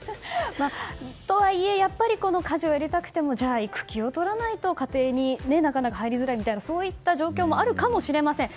とはいえやっぱり家事をやりたくても育休を取らないと家庭になかなか入りづらい状況もあるかもしれません。